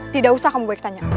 tidak usah kamu baik tanya